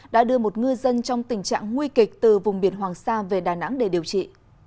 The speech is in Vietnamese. đã đưa một ngư dân trong tình trạng nguy kịch từ vùng biển hoàng sa về đà nẵng để điều trị